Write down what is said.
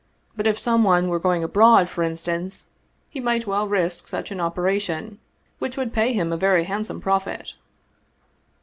But if some one were going abroad, for instance, he might well risk such an operation, which would pay him a very handsome profit."